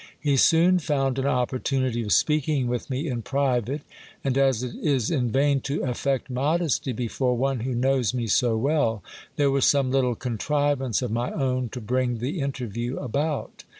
He soon found an opportunity of speaking with me in private ; and, as it is in vain to affect modesty before one who knows me so well, there was some little contrivance of my own to bring the interview about.